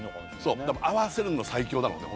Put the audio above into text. そう合わせるの最強だもんね